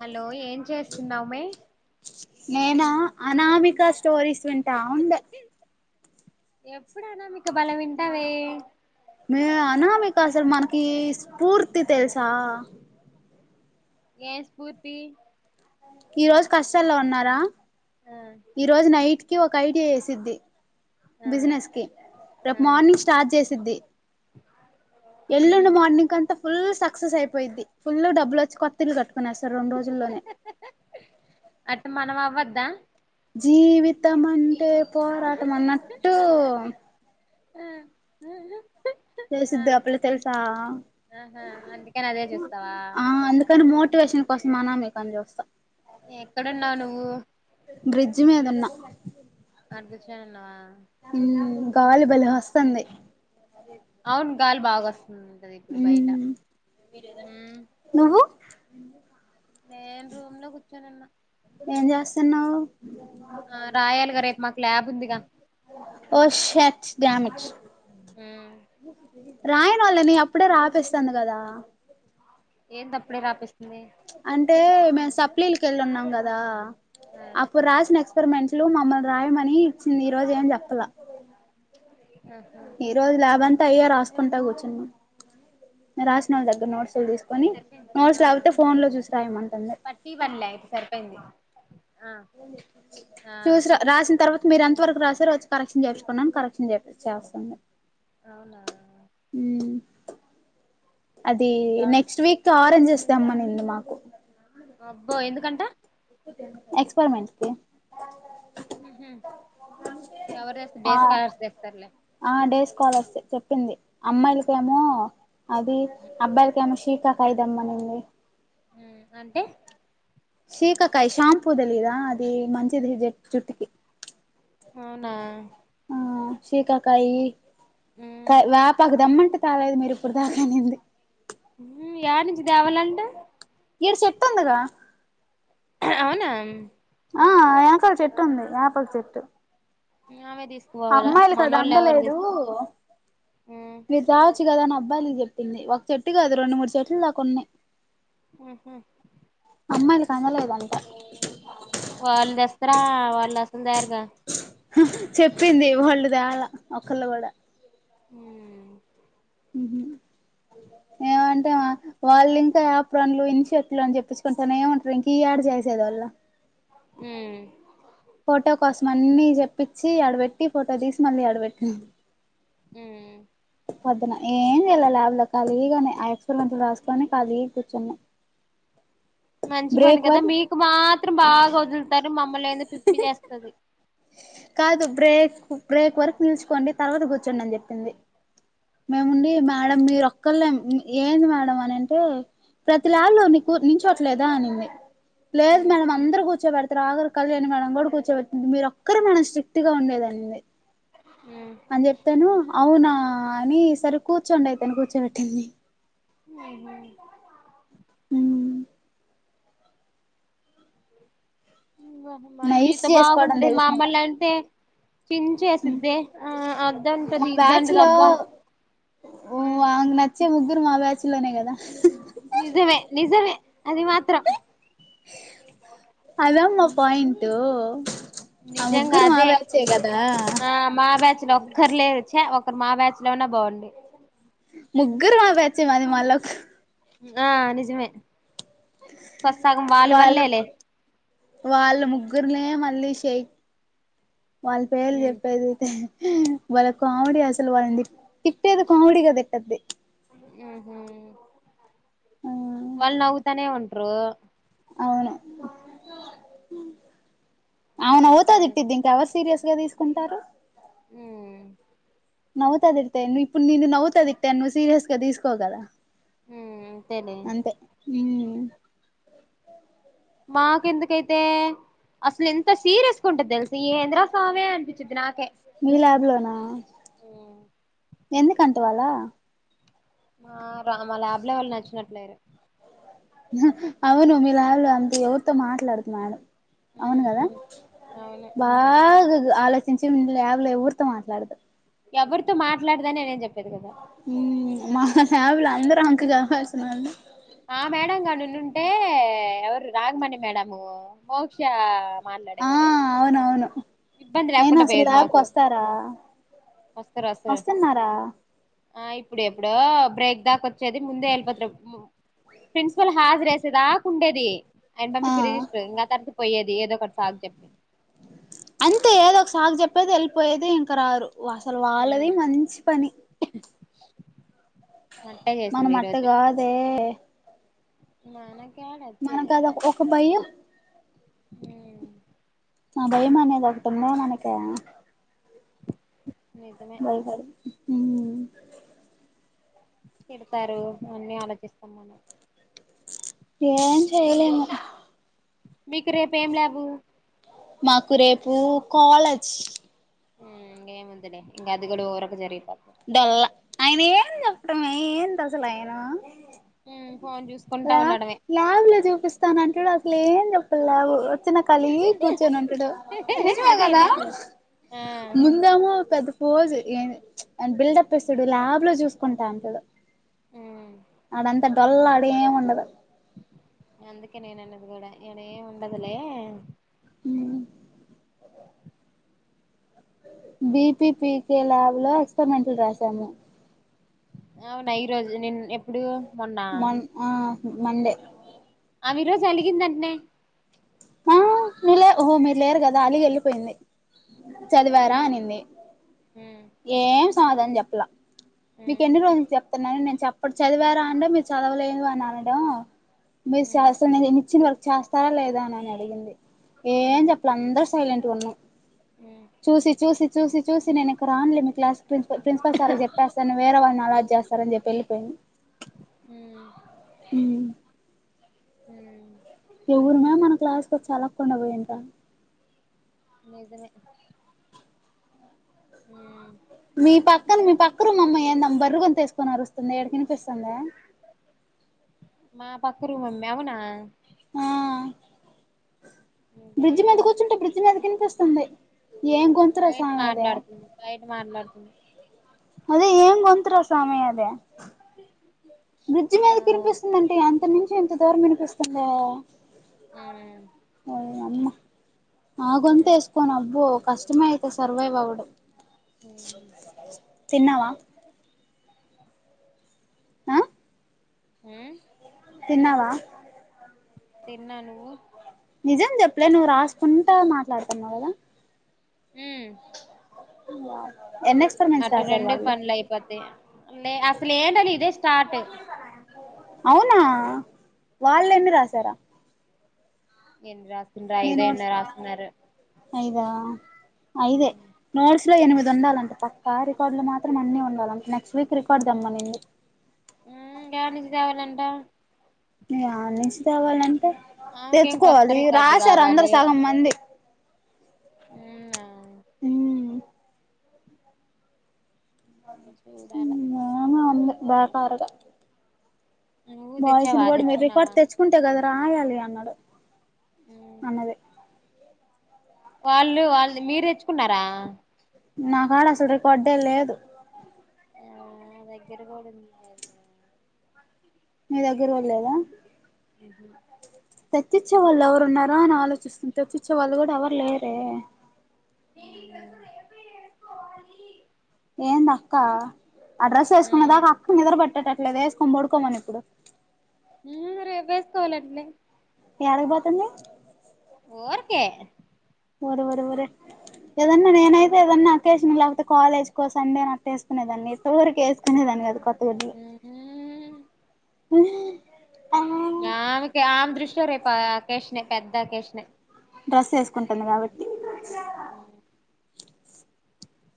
Hello ఏం చేస్తున్నావుమే నేను అనామిక స్టోరీస్ వింటా ఉండా ఎప్పుడు అనామిక బలే వింటావే మే అనామీకు అసలు మనకి స్ఫూర్తి తెలుసా ఏ స్ఫూర్తి ఈ రోజు కష్టాల్లో ఉన్నారా ఆ ఈ రోజు నైట్ కి ఒక ఐడియా వేసిది ఆ బిజినెస్ కి రేపు ఆ మార్నింగ్ స్టార్ట్ చేసిద్ది ఉహు ఎల్లుండి మార్నింగ్ అంతా ఫుల్ సక్సెస్ అయిపోయిద్ది ఫుల్ డబ్బులు వచ్చి కొత్తిల్లు కట్టు కొనేస్త రెండు రోజుల్లోనే అట్ట మనం అవ్వద్దా జీవితం అంటే పోరాటం అన్నట్టు ఆ ఉహు చేసిద్ ఆ పిల్లద తెలుసా ఆహా అందుకని అదే చూస్తావా ఆ అందుకని మో వేషన్ కోసం అనమీకు అని చస్తాం ఎక్కడున్నావు నువ్వు బ్రిడ్జ్ మీద ఉన్నా ఆడ కూర్చొని ఉన్నావా గాలి బలే వస్తుంది అవును గాలి బాగా వస్తుందింటది ఇప్పుడు బయట ఉమ్ హ్మ్ అ నేను రూమ్ లో కూర్చోనున్న ఏం జేస్తున్నావు ఆ రాయాలిగా రేపు మాకు లాబ్ ఉందిగా ఓ షట్ డామిడ్ ఉమ్ రాయి మళ్ళ నీ అప్పుడే రాపిస్తాంది గదా ఏంది అప్పుడే రాపిస్తుంది అంటే మేము సప్లీలకి యెళ్ళు ఉన్నాం గదా ఆ అప్పుడు రాసిన ఎక్స్ పరమెంట్ లు మమ్మల్ని రాయమని ఇచ్చింది ఈ రోజు ఏం జెప్పలే ఆ ఈ రోజు లాబ్ అంతా అయ్యె రాసుకుంటా గూర్చున్నాం రాసినోళ్ళ దగ్గర నోట్స్లు తీసుకొని సరిపోయింది నోట్స్ ఆ లేపోతే ఫోన్ లో చూసి రాయమంటంది థర్టీ వన్లే అయితే సరిపోయింది ఆ ఆ చూసి రాసిన తర్వాత మీరు ఎంత వరకు రాసారో వచ్చి కరెక్షన్ చేపిచ్చు కోండని కరెక్షన్ చే చేస్తుంది అవునా ఉమ్ అది ఇదా నెక్స్ట్ వీక్ ఆరెంజ్స్ తెమ్మనింది మాకు అబ్బో ఎందుకంట ఎక్స్పెరిమెంట్స్ కి ఎవరు దెస్తర్ డెస్కాలర్స్ దెస్తర్లే కాలర్సే చెప్పింది అమ్మాయిలకేమో అది అబ్బాయిలకేమో షీ కాయ దెమ్మనింది అంటే షీకాకాయ్ షాంపూ దెలీదా అది మంచిది జట్టీకి అవునా ఆ షకాకాయి వ్యాపాకు దెమ్మ తాలైదు మీరు ఇప్పుడు దాకానింది ఉమ్ ఏనించి దేవాలంట ఈడ సెట్టుందిగా అవునా ఆ యెనకాల చెట్టు ఉంది యాప చెట్టు ఆమె తీసుకుపోవాల అమ్మాయిలు కదా మనోళ్ళు ఎవరు అందలేదు తీసుకో విజా గదా అని అబ్బాయిలకు జెప్పింది ఒక చెట్టు కాదు రెండు మూడు చెట్ల దాకా ఉన్నాయి హుహూ అమ్మాయిలకు అందలేదంటా వాళ్ళ దెస్తరా వాళ్ళు అసలు దెరుగా చెప్పింది వాళ్ళు దేలే ఒకళ్ళు గూడా ఉమ్ ఉమ్ హు ఏమంటే వాళ్ళు ఇంకా ఆప్రానులు ఇన్ షర్ట్లు అని చెప్పించుకుంటానే ఉంటారు ఇంకా ఈ ఏడ జేసేది వాళ్ళు హలో ఉమ్ ఫోటో కోసం అన్ని జెప్పించి ఆడబెట్టి ఫోటో తీసి మళ్ళీ అడబెట్టింది ఉమ్ పొద్దున ఏం జేయలే ల్యాబ్ లో ఖాళీగానే ఆ ఎక్స్పరమెంట్లు రాసుకొని ఖాళీ గా కూర్చున్నా మంచి పని బ్రేక్ గదా వరకు మీకు మాత్రం బాగా వదులు తారు మమ్మలని పిప్పి జేస్తది కాదు బ్రేక్ బ్రేక్ వరకు నిల్చుకోండి తర్వాత కూర్చోండి అని జెప్పింది మేముండి మేడం మీరొక్కళ్ళే ఏంది మేడం అని అంటే ప్రతి ల్యాబ్లో నీకు నించోట్లేదా అనింది లేదు ఉమ్ మేడం అందరు కూర్చోబెడతారు ఆఖర్ కళ్యాణ్ మేడం కూడా కూర్చోబెట్టింది మీరు ఒక్కరే మేడం స్ట్రిక్ట్ గా ఉండేదనింది ఉమ్ అని చెప్తాను అవునా అని సరే కూర్చోండి అయితేను కూర్చోబెట్టింది ఉ హు ఉ నైస్ మీతో చేసుకోవడం బాగుంటే తెలుసు మాకు మమ్మాల్ని అయితే చించేసిద్దే ఆ అద్తే మా బ్యాచ్ ఇద్దైతంటది లో దబ్బా ఉ వచ్చే ముగ్గురు మా బ్యాచ్ లోనే కదా నిజమే నిజమే అది మాత్రం ఇదమ్మ పాయింట్ ఆ నిజంగా ముగ్గురు మా అదే బ్యాచే కదా ఆ మా బ్యాచ్ లో ఒక్కరు లేరు చ్చ మా బ్యాచ్లోనే బాగుండు ముగ్గురు మా బ్యాచ్చే మాది మల్ల ఆ నిజమే సగం వాళ్ళ వా వల్లేలే వాళ్ళ ముగ్గుర్నే మ మళ్ళీ షేక్ వాళ్ళ పేర్లు చెప్పేది ఉకే వాళ్ళ కామెడీ అసలు వాళ్ళని తిట్టేది కామెడీగా తిట్టేది ఆ హ ఆ వాళ్ళు నవ్వుతనే ఉంట్రు అవును మ్ అవును ఇంకేం ఔతాది ఇట్టదింకా అవ సీరియస్ గా తీసుకుంటారు ఉ నౌవుతాదిట్టా ఇప్పుడు నిన్న నౌవుతాదిట్టా అ ను సీరియస్ గా తీసుకోగదా మ్ అంతేలే అంతే ఊ మాకెందుకైతే అసలు ఎంత సీరియస్ తీసుకుంటుది తెలుసా ఎంద్రస్వామి అనిపించిది నాకే మీ ల్యాబ్ లోనా ఎందుకంట వాలా మా రా మా ల్యాబ్ లో వాళ్ళు నచ్చినట్లేరు అవును మీలాబ్లా అంత ఎవరితో మాట్లాడదు మేడం అవును కదా ఉమ్ అవును బాగా ఆలోచించి మీ లాబ్లేవరితో మాట్లాడదు ఎవరితో మాట్లాడదాని నేను చెప్పేది కదా మా ఫ్యామిలీలో అందరూ మాకు కావసిన ఆ మేడం గనుంటే ఎవరు రాఘమణి మేడము మోక్ష ఆ మాట్లాడేవాడు అవునవును ఇబ్బంది అయినా లేకుండా అసలు పోయేది ల్యాబ్ కి మాకు వస్తారా వస్తారు వస్తారు వస్తున్నారా ఆ ఇప్పుడు ఎప్పుడు బ్రేక్ దాకా వచ్చేది ముందే వెళ్ళిపోతు ప్రిన్సిపల్ హాజరై దాకా ఉండేది ఆయన ఆ పంపించి రిజిస్ట్రేర్ దాని తప్పిపోయేది ఏదో ఒకటి సాగు చెప్పి అంతే ఏదో ఒక సాగు చెప్పేది వెళ్ళిపోయేది ఇంక రారు అసలు వాళ్ళది మంచీ పని వంట చేసింది మనం అట్ట ఈరోజు కాదే నా నే మనకదిక్ ఒక భయం ఉమ్ ఆ భయం అనేది ఒకటి ఉంద మనకి నిజమే మరిమరి తిడతారు అన్ని ఆలోచిస్తాం మనం ఏం చేయలేము మీకు రేపు ఏం లేవు మాకు రేపు కాలేజ్ ఇక ఏముందిలే అది కూడా ఒక రకంగా జరిగింది డొల్ల ఆయన ఏం చెప్పడమే ఏంటి అసలు ఆయన ఉమ్ ఫోన్ చూసుకుంటా ఉండడమే ల్యాబ్ లో చూపిస్తానంటాడు అసలు ఏం చెప్పదు ల్యాబ్ లో తిన్న కలి కూర్చోనుంటడు, అదే నిజమేగదా. నేను ఆ ముందము పెద్దపోజు ఏ [unintelligible] [unintelligible] బిల్డప్ ఇస్తాడు. ల్యాబ్ లో జుస్కుంటా అంటాడు. ఉమ్ అడంతట్ డోల్ల అడేమ్ ఉండదు. అందుకే నేన్ అన్నది గుడా, ఇడేమ్ ఉండదులే. ఉమ్. బి అని. పీ పీ కే ల్యాబ్ లో, ఎక్స్పరిమెంట్లు రాసాము. అవునా, ఈ రోజు, నిన్ ఎప్పుడు. మొన్న మన్, ఆ మండే. ఆమె రోజు అలిగిందన్ట్నే. ఆ మీలే, ఓహో మీరు లేరు కదా అలిగి ఎళ్ళిపోయింది. చదివారా మ్మ్ అనింది, మ్మ్ ఏం సమాధానం జేప్లా. మీక్ మ్మ్ ఎన్ని రోజులు చెప్తున్నాను, నేను చెప్పడ్ చదివారా అంటే, మీరు చదవలేదు అని అనడం. మీర్ మ్మ్ సహస్ర నేన్ ఇచ్చిన వర్క్ చేస్తారా లేదా అని, అడిగింది. ఏం జేప్పాల అందరుస్ సైలెంట్ గా ఉన్నాం. మ్మ్ చూసి, చూసి, చూసి చూసి నేన్ ఇక రాన్లే మీ క్లాస్ కి ప్రిన్సిపల్, ప్రిన్సిపల్ సార్కి జేప్పేస్తాను, వేరే వాళ్ళని అలోట్ చేస్తారని చెప్పి ఎళ్ళిపోయింది. మ్మ్ ఉమ్మ్. హుమ్మ్. కొండబోయిన్టాను. నిజమే. ఉమ్మ్. మీ పక్కన, మీ పక్క రూమ్ అమ్మాయి ఏందీ ఆమె బర్రె గొంతు ఎసుకోని అరుస్తుంది. ఇడకి ఇనిపిస్తుందే. మా పక్క రూమ్ అమ్మీ, అవునా. ఆ బ్రిడ్జ్ మీద ఇదేమో కూర్చుంటే, బ్రిడ్జ్ మీదకి ఇనిపిస్తుంది. బయట్ మాట్లాడుతుంది, బయట మాట్లాడుతుంది. అదే ఏం గొంతురా, సామి అదే. బ్రిడ్జ్ ఆ మీదకి తినిపిస్తుందన్టే, అంత నుంచి ఇంత దూరం ఇనిపిస్త్ తుందా, ఉమ్ ఓ అమ్మ. ఆ ఉమ్ గొంతేసుకోని అబ్బో, కష్టమే అయితే సర్వైవ్ అవ్వడం. ఉమ్ తిన్నావా. ఆ ఉమ్. తిన్నావా. తిన్నా, నువ్వు? నిజం జెప్పలే నువ్వు రాసుకుంటా, మాట్లాడ్తన్నావ్ గదా. ఉమ్. వాటర్. అటు రెండు పన్లు అయిపోతాయి. లే అసలు ఏంటని ఇదే స్టార్ట్. ఆ ఆ, వాళ్ళేన్నీ రాసారా. ఎన్ని రాస్తున్నార్, ఐదో ఎన్నో రాస్తున్నారు. అయిదా, అయిదే. ఉమ్ నోడ్స్ లో ఎనిమిది ఉండాలంట పక్కా. రికార్డులు మాత్రం అన్ని ఉండాలంట. నెక్స్ట్ వీక్ రికార్డు దేమ్మనింది. ఉమ్ ఏడ్నుంచి దేవాలంట. ఆ నెక్స్ట్ అవాలంటే ఆమెకేం కొత్త తెచ్చుకోవాలి, రికార్డు రాశారు అందరు కావాలి సగం మంది. ఉమ్ నా. చూడాలా. ఏమో ఉంది బేకారుగా. నువ్వు బాయ్స్ ని తెచ్చావా గుడా, మీర్ రికార్డు తెచ్చుకున్నావా తెచ్చుకుంటే గదా. రాయాలి అన్నాడు, అన్నది. వాళ్ళు వాళ్ళది, మీర్ దేచ్చుకున్నారా. నా కాడ అసలే గొడ్డల లేదు ఆ దగ్గర కూడా ఉంది లేదు మే మీ దగ్గర కూడా లేదా ఆహా తెచ్చి ఇచ్చే వాళ్ళు ఎవరున్నారో అని ఆలోచిస్తుంటది వాళ్ళు ఎవరూ లేరే ఏ ఏంది అక్క ఆ అడ్రస్ ఉమ్ ఏసుకునేదాకా అక్కకు నిద్ర పెట్టట ఆది ఎసుకొని పడుకోమను ఇప్పుడు యూ రేపు ఎసుకోవాలి అట్లే యాడకి పోతుంది ఉరికే ఒరే ఒరే ఒరేయ్ ఏదన్నా నేనైతే ఏదన్నా అకేషన్ లేకపోతే కాలేజ్ కో సండే నట్ట వేసుకునే దాన్ని ఇత ఊరికే వేసుకునేదాని కాదు కొత్ ఉహూ ఆ ఆమెకి ఆమె దృష్టిలో రేపు ఆ అకేషన్ నే పేద్ద అకేషన్ నే డ్రెస్ వేసుకుంటుంది కాబట్టి ఉ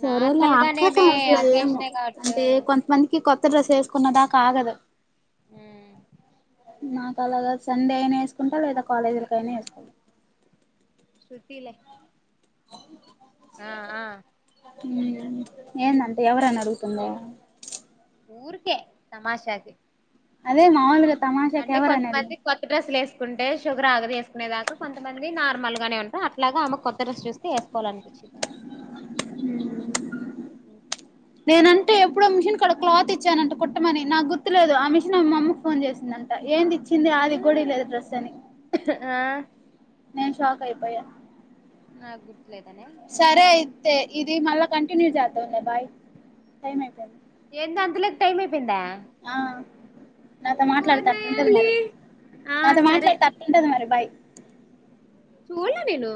సరే లే గానే అక్క మే సాలసలే ఏమో అకేషనే కాబట్టి అంటే కొంతమందికి కొ కొత్త డ్రెస్ వేసుకునే దాకా ఆగదు ఆ నాక అలా కాదు సండే అయినా వేసుకుంటా లేదా కాలేజీలకైనా వేసుకు శృతి లే అవునా ఆ ఆ ఏందంటే ఎవరిని అడుగుతుందే ఊర్కే తమాషాకి అదే మామూలుగా అంటే కొంతమంది కొత్త డ్రెస్సులు వేస్ కుంటే షుగర్ ఆగదు వేసుకునే దాకా కొంతమంది నార్మల్గానే ఉంటా అట్లాగా ఆమె కొత్తడ్రెస్ చూస్తే వేసుకోవాలనిపించింది ఉ నేనంటే ఎప్పుడో మిషన్ కాడ క్లాత్ ఇచ్చానంట కుట్టమని నాకు గుర్తుకులేదు ఆ మిషన్ ఆమె మా అమ్మకు ఫోన్ చేసింది నట ఏంది ఇచ్చింది ఆది కూడ ఈ హ్మ్ లేదు డ్రెస్ అని ఆ నేను షాక్ అయిపోయా నా గు సరే అయితే ఇది మళ్ళా కంటిన్యూ చేద్దాం లే బాయ్ టైం అయిపోంది ఏంది అంత లేకీ టైం అయిపోయిందా ఆ నాతో ఓరి మాట్లాడితే అట్లా ఉంటది నాయల్ని మరి ఆ నాతో సరే మాట్లాడితే అట్లుంటది మరి బై చూళ్ళ నేను